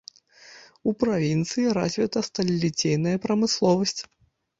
У правінцыі развіта сталеліцейная прамысловасць.